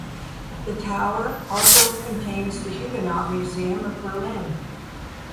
The tower also contains the Huguenot museum of Berlin.